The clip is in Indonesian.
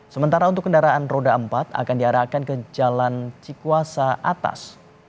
sementara untuk kendaraan roda empat akan diarahkan ke jalan cikuasa atas